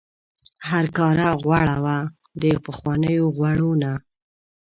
هرکاره غوړه وه د پخوانیو غوړو نه.